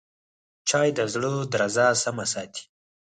چای د زړه درزا سمه ساتي